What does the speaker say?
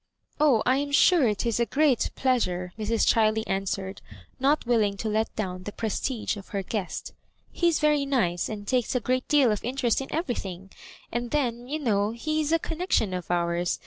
'*0h, I am sure it is a great pleasure," Mrs. Chiley answered, not willing to let down the pfestige of her guest. '* He is very nice, and takes a great deal of interest in everything; and then, you know, he is a connectioa of ours.